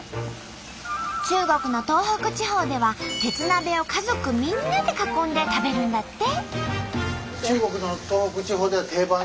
中国の東北地方では鉄鍋を家族みんなで囲んで食べるんだって。